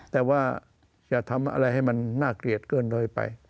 แต่ว่าอย่าทำอะไรให้มันน่าเกลียดเกินโดยไป